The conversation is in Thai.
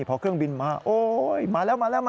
เพราะเครื่องบินมาโอ๊ยมาแล้ว